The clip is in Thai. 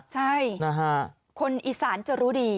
ใช่คนอีสานจะรู้ดี